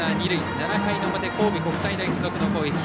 ７回の表、神戸国際大付属の攻撃。